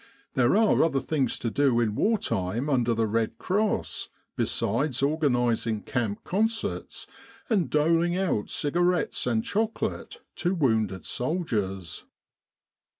There are other things to do in war time under the Red Cross besides organising camp concerts and doling out cigarettes and chocolate to wounded soldiers.